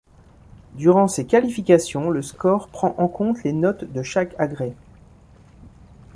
Durant ces qualifications, le score prend en compte les notes de chaque agrès.